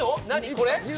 これ？